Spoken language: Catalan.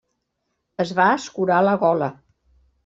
Es va escurar la gola.